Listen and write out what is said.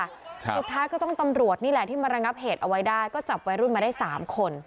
สุดท้ายก็ต้องตำรวจนี่แหละที่มาระงับเหตุเอาไว้ได้ก็จับวัยรุ่นมาได้สามคน